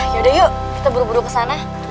yaudah yuk kita buru buru ke sana